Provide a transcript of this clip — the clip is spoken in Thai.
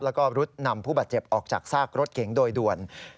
แล้วก็รุดนำผู้บาดเจ็บออกจากซากรถเก๋งโดยด่วน